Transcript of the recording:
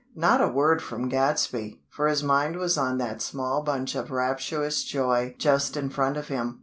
Not a word from Gadsby, for his mind was on that small bunch of rapturous joy just in front of him.